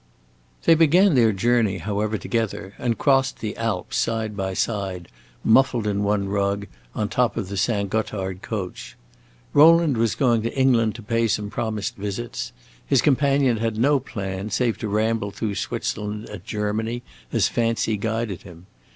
They began their journey, however, together, and crossed the Alps side by side, muffled in one rug, on the top of the St. Gothard coach. Rowland was going to England to pay some promised visits; his companion had no plan save to ramble through Switzerland and Germany as fancy guided him.